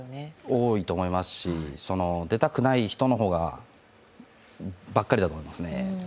多いと思いますし、出たくない人の方ばっかりだと思いますね。